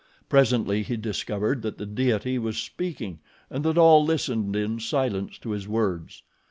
Presently he discovered that the deity was speaking and that all listened in silence to his words.